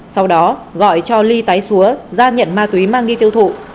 sau đó gọi cho ly tái xúa ra nhận ma túy mang đi tiêu thụ